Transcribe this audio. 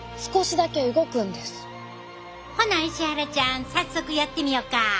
ほな石原ちゃん早速やってみようか。